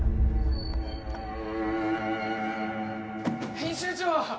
編集長！